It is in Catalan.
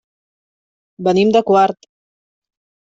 Venim de Quart.